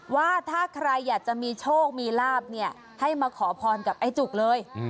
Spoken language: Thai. ว่าถ้าใครอยากจะมีโชคมีลาบเนี่ยให้มาขอพรกับไอ้จุกเลย